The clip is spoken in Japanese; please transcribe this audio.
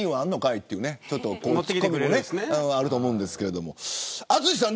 いっていうツッコミもあると思うんですけど淳さん